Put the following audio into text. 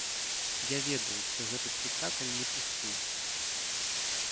Я ведаю, што гэты спектакль не пусты.